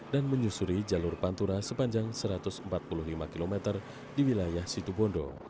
dan menyusuri jalur pantura sepanjang satu ratus empat puluh lima km di wilayah situ bondo